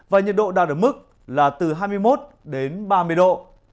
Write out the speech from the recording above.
và nhiệt độ đạt ở mức là từ hai mươi một đến ba mươi độ